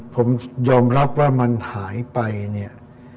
ผมยอมรับว่ามันหายไปเนี่ย